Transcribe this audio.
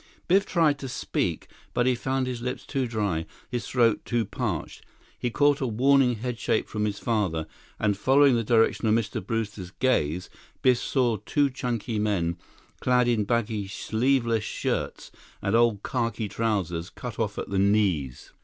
Biff tried to speak, but he found his lips too dry, his throat too parched. He caught a warning headshake from his father, and following the direction of Mr. Brewster's gaze, Biff saw two chunky men, clad in baggy, sleeveless shirts and old khaki trousers cut off at the knees.